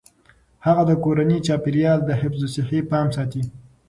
هغې د کورني چاپیریال د حفظ الصحې پام ساتي.